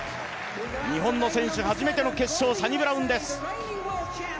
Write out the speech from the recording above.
日本の選手初めての決勝、サニブラウンです。